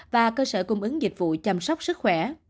và cơ sở cung ứng dịch vụ chăm sóc sức khỏe